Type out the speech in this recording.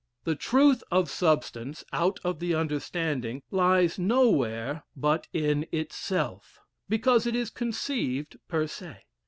The truth of substance (out of the understanding) lies nowhere but in itself, because it is conceived per se.